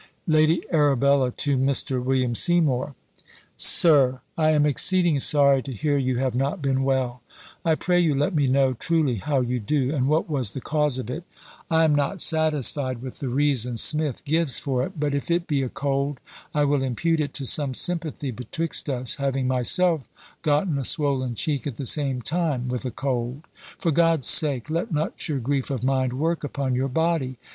"LADY ARABELLA TO MR. WILLIAM SEYMOUR. "SIR, "I am exceeding sorry to hear you have not been well. I pray you let me know truly how you do, and what was the cause of it. I am not satisfied with the reason Smith gives for it; but if it be a cold, I will impute it to some sympathy betwixt us, having myself gotten a swollen cheek at the same time with a cold. For God's sake, let not your grief of mind work upon your body.